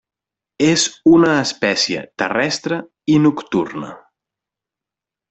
És una espècie terrestre i nocturna.